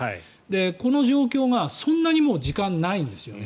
この状況が、もうそんなに時間がないんですよね。